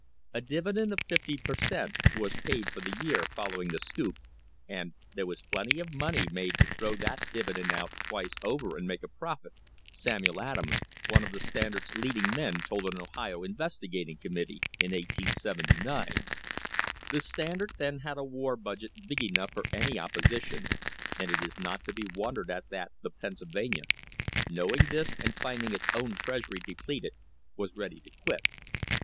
A dividend of fifty per cent, was paid for the year following the scoop, and "there was plenty of money made to throw that dividend out twice over and make a profit," Samuel Andrews, one of the Standard's lead [ 190] STRENGTHENING THE FOUNDATIONS ing men, told an Ohio investigating committee in 1879. The Standard then had a war budget big enough for any opposi tion, and it is not to be wondered at that the Pennsylvania, knowing this and rinding its own treasury depleted, was ready to quit.